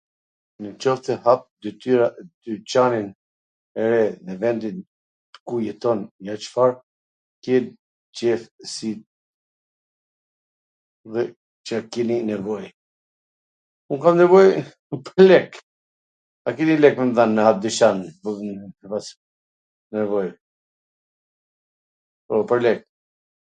nw qoft se hap detyra dyqanin e ri nw vendin ku jeton Cfar ke qef si ... Car kini nevoj? Un kam nevoj pwr lek, a kini lek me m dhwn me hap dyqan, me pas nevoj, po pwr lek.